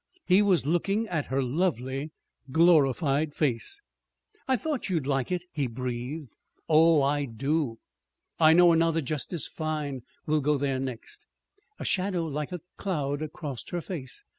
He was looking at her lovely, glorified face. "I thought you'd like it," he breathed. "Oh, I do." "I know another just as fine. We'll go there next." A shadow like a cloud crossed her face.